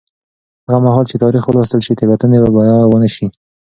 هغه مهال چې تاریخ ولوستل شي، تېروتنې به بیا ونه شي.